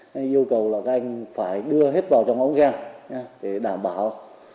nên yêu cầu là các anh phải đưa hết vào trong ống xe để đảm bảo